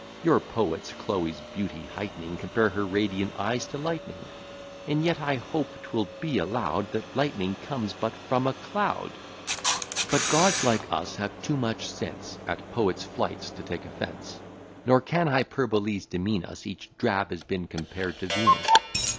Your poets, Chloe's beauty height'ning, Compare her radiant eyes to lightning; And yet I hope 'twill be allow'd, That lightning comes but from a cloud. But gods like us have too much sense At poets' flights to take offence; Nor can hyperboles demean us; Each drab has been compared to Venus.